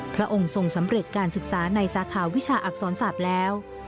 พระองค์ทรงสำเร็จการศึกษาในสาขาวิชาอักษรศาสตร์แล้ว